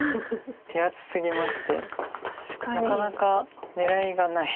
手厚すぎましてなかなか狙いがない。